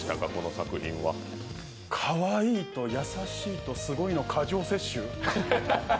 かわいいと優しいとすごいの過剰摂取。